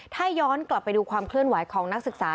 ถ้าย้อนกลับไปดูความเคลื่อนไหวของนักศึกษา